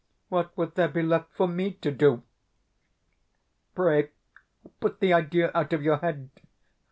What would there be left for ME to do? Pray put the idea out of your head.